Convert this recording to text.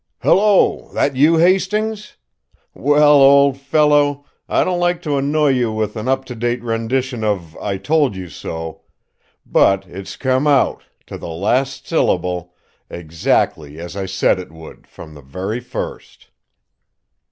"Hello! That you, Hastings? Well, old fellow, I don't like to annoy you with an up to date rendition of 'I told you so!' but it's come out, to the last syllable, exactly as I said it would from the very first!"